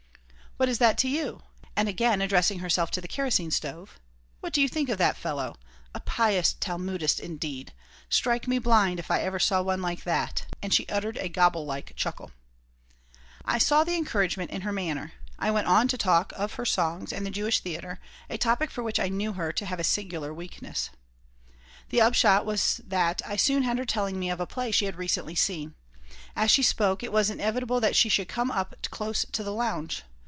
"What is that to you?" And again addressing herself to the kerosene stove: "What do you think of that fellow? A pious Talmudist indeed! Strike me blind if I ever saw one like that." And she uttered a gobble like chuckle I saw encouragement in her manner. I went on to talk of her songs and the Jewish theater, a topic for which I knew her to have a singular weakness. The upshot was that I soon had her telling me of a play she had recently seen. As she spoke, it was inevitable that she should come up close to the lounge.